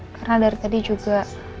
karena dari tadi juga